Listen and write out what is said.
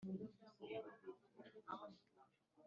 Cy igihugu cy ibarurishamibare